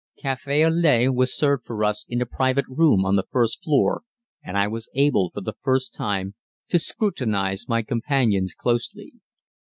Café au lait was served for us in a private room on the first floor, and I was able, for the first time, to scrutinize my companions closely.